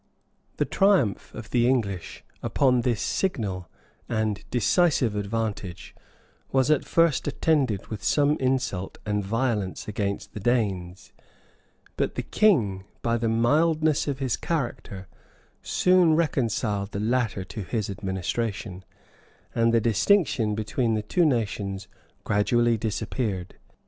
The triumph of the English upon this signal and decisive advantage, was at first attended with some insult and violence against the Danes, but the king, by the mildness of his character, soon reconciled the latter to his administration, and the distinction between the two nations gradually disappeared.